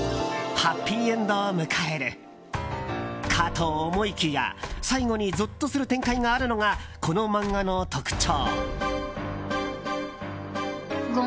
ハッピーエンドを迎えるかと思いきや最後にゾッとする展開があるのがこの漫画の特徴。